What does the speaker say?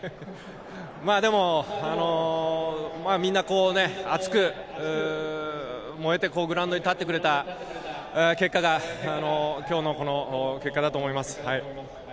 でも、みんな、熱く燃えてグラウンドに立ってくれた結果が今日の結果だと思います。